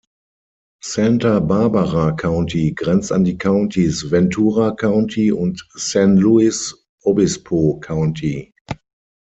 Santa Barbara County grenzt an die Countys Ventura County und San Luis Obispo County.